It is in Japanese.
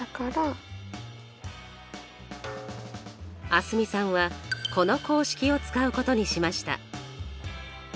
蒼澄さんはこの公式を使うことにしました。